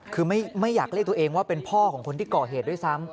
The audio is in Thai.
คือไม่อยากเรียกตัวเองว่าเป็นพ่อของคนที่ก่อเหตุด้วยซ้ำ